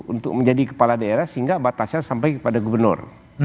untuk menjadi kepala daerah sehingga batasnya sampai kepada gubernur